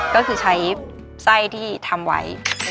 ก็คือใช้ไส้ที่ทำไว้